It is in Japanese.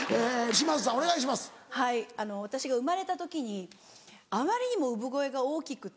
あの私が生まれた時にあまりにも産声が大きくて。